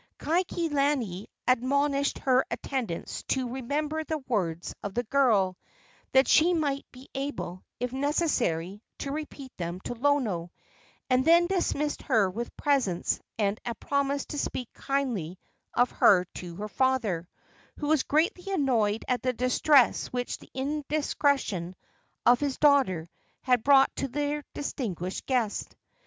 Kaikilani admonished her attendants to remember the words of the girl, that they might be able, if necessary, to repeat them to Lono, and then dismissed her with presents and a promise to speak kindly of her to her father, who was greatly annoyed at the distress which the indiscretion of his daughter had brought to their distinguished guest.